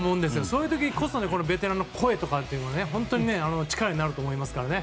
そういう時こそベテランの声が力になると思いますから。